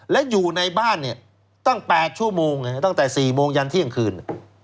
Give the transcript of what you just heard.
และอยู่ในบ้านตั้ง๘ชั่วโมงตั้งแต่๔โมงยันเที่ยงคืน